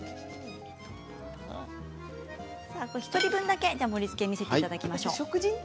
１人分だけ盛りつけを見せていただきましょう。